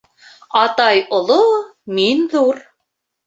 Атай оло, мин ҙур.